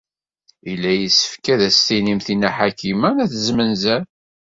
Yella yessefk ad as-tinimt i Nna Ḥakima n At Zmenzer.